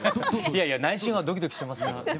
いやいや内心はドキドキしてます。